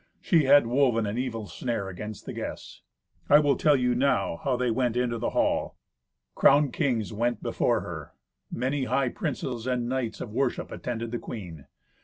She had woven an evil snare against the guests. I will tell you how they went into the hall. Crowned kings went before her; many high princes and knights of worship attended the queen.